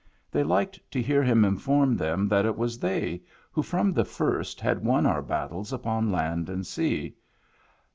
They liked to hear him inform them that it was they who from the first had won our battles upon land and sea.